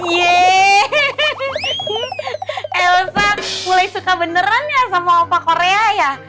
yelsa mulai suka beneran ya sama opa korea ya